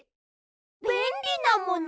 べんりなもの？